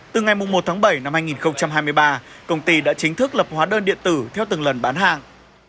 từ ngày một tháng bảy năm hai nghìn hai mươi ba công ty đã chính thức lập hóa đơn điện tử theo từng lần bán hàng